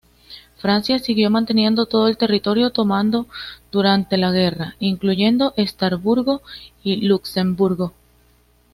Francia siguió manteniendo todo el territorio tomado durante la guerra, incluyendo Estrasburgo y Luxemburgo.